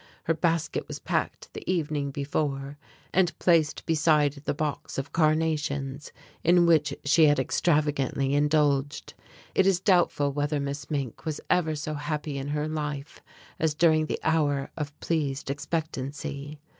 Her basket was packed the evening before, and placed beside the box of carnations in which she had extravagantly indulged. It is doubtful whether Miss Mink was ever so happy in her life as during that hour of pleased expectancy.